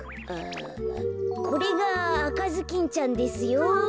これがあかずきんちゃんですよ。